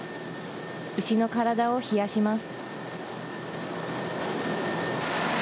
牛の体を冷やします。